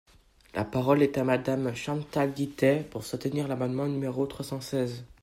La parole est à Madame Chantal Guittet, pour soutenir l’amendement numéro trois cent seize.